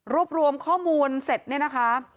รวมข้อมูลเสร็จเนี่ยนะคะ